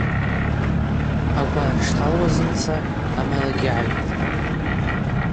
Акӏвар хӏшталуазымца амарагьи гӏайтӏ.